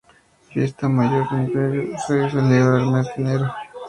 La fiesta mayor de invierno se celebra en el mes de enero.